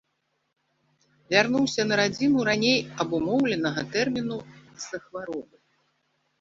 Вярнуўся на радзіму раней абумоўленага тэрміну з-за хваробы.